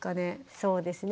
そうですね。